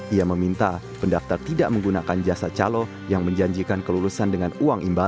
ia meminta pendaftar tidak menggunakan jasa calo yang menjanjikan kelulusan dengan uang imbalan